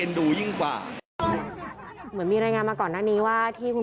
ดูยิ่งกว่าเหมือนมีรายงานมาก่อนหน้านี้ว่าที่คุณ